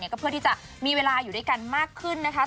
ก็เพื่อที่จะมีเวลาอยู่ด้วยกันมากขึ้นนะคะ